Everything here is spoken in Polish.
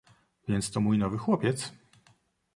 "„Więc to mój nowy chłopiec?"